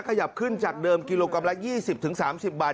ขยับขึ้นจากเดิมกิโลกรัมละ๒๐๓๐บาท